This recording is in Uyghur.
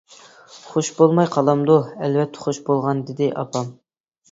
-خۇش بولماي قالامدۇ، ئەلۋەتتە خۇش بولغان-دېدى ئاپام.